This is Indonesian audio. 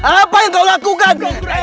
apa yang kau lakukan